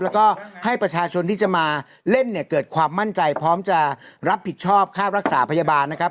แล้วก็ให้ประชาชนที่จะมาเล่นเนี่ยเกิดความมั่นใจพร้อมจะรับผิดชอบค่ารักษาพยาบาลนะครับ